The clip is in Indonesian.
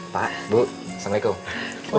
pak bu assalamualaikum